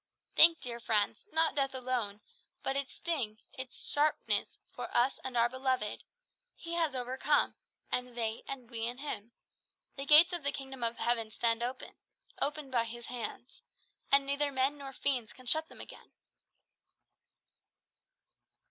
Think, dear friends, not death alone, but its sting, its sharpness, for us and our beloved, He has overcome, and they and we in him. The gates of the kingdom of heaven stand open; opened by his hands, and neither men nor fiends can shut them again."